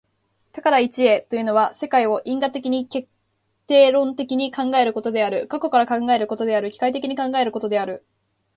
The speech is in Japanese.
多から一へというのは、世界を因果的に決定論的に考えることである、過去から考えることである、機械的に考えることである。